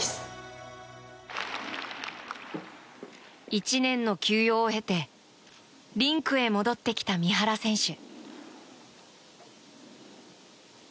１年の休養を経てリンクへ戻ってきた三原選手。